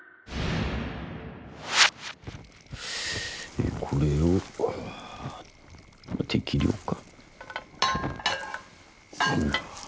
でこれを適量か。